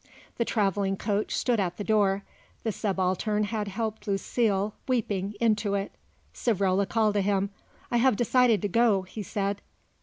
The travelling coach stood at the door. The Subaltern had helped Lucile, weeping, into it. Savrola called to him. "I have decided to go," he said.